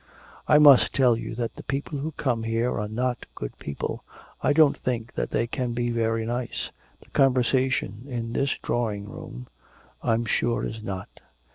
I must tell you that the people who come here are not good people, I don't think that they can be very nice; the conversation in this drawing room I'm sure is not.